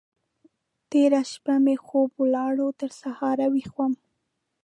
تېره شپه مې خوب ولاړ؛ تر سهار ويښ وم.